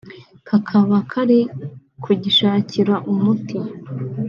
kakaba kari kugishakira umuti